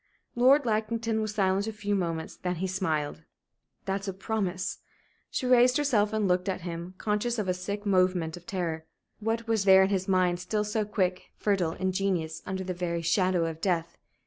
Lord Lackington was silent a few moments, then he smiled. "That's a promise?" She raised herself and looked at him, conscious of a sick movement of terror. What was there in his mind, still so quick, fertile, ingenious, under the very shadow of death?